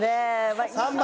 はい。